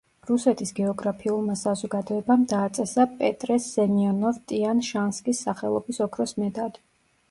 რუსეთის გეოგრაფიულმა საზოგადოებამ დააწესა პეტრე სემიონოვ-ტიან-შანსკის სახელობის ოქროს მედალი.